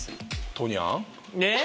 斗ニャン。